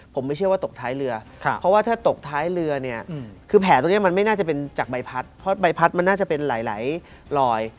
ผมไม่เชื่อว่าตกท้ายเรือเพราะว่าถ้าตกท้ายเรือเนี่ยคือแผลตรงนี้มันไม่น่าจะเป็นจากใบพัดเพราะใบพัดมันน่าจะเป็นหลายรอย